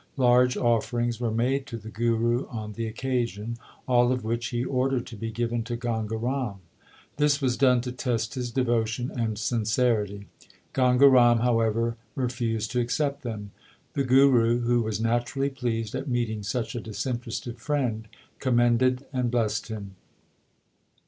Large offerings were made to the Guru on the occasion, all of which he ordered to be given to Ganga Ram. This was done to test his devotion and sincerity. Ganga Ram, however, refused to accept them. The Guru, who was naturally pleased at meeting such a disinterested friend, commended and blessed him.